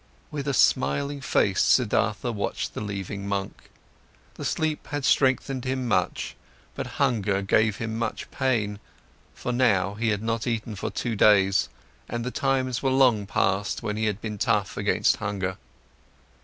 With a smiling face, Siddhartha watched the leaving monk. The sleep had strengthened him much, but hunger gave him much pain, for by now he had not eaten for two days, and the times were long past when he had been tough against hunger.